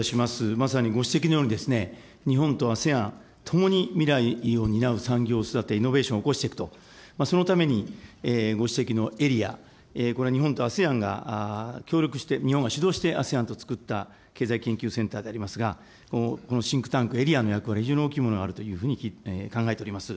まさにご指摘のように、日本とＡＳＥＡＮ、ともに未来を担う産業を育て、イノベーションを起こしていくと、そのためにご指摘のエリア、これは日本とＡＳＥＡＮが協力して、日本が主導してＡＳＥＡＮと作った経済研究センターでありますが、このシンクタンク、エリアの役割、非常に大きいものがあるというふうに考えております。